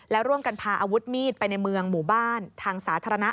และร่วมกันพาอาวุธมีดไปในเมืองหมู่บ้านทางสาธารณะ